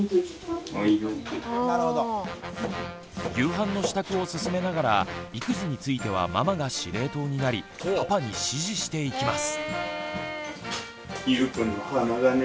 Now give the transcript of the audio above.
夕飯の支度を進めながら育児についてはママが司令塔になりパパに指示していきます。